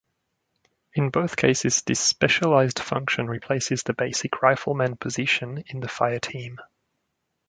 In both cases this specialized function replaces the basic rifleman position in the fireteam.